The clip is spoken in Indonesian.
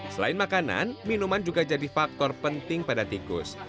selain makanan minuman juga jadi faktor penting pada tikus